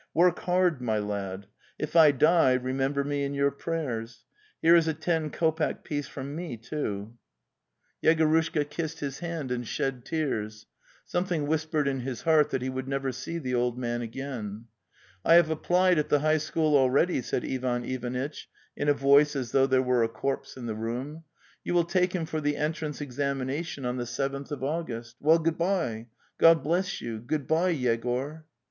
Work bard, my lad. If I die, remember me in your prayers. Here is a ten kopeck piece from.me, too... ." 302 The Tales of Chekhov Yegorushka kissed his hand, and shed tears; some thing whispered in his heart that he would never see the old man again. "IT have applied at the high school already," said Ivan Ivanitch in a voice as though there were a corpse in the room. "' You will take him for the entrance examination on the seventh of August. ... Well, good bye; God bless you, good bye, Yegor!"